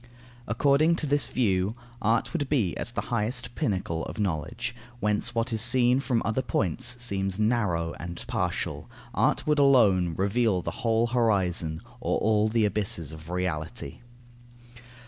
According to this view, art would be the highest pinnacle of knowledge, whence what is seen from other points seems narrow and partial; art would alone reveal the whole horizon or all the abysses of Reality.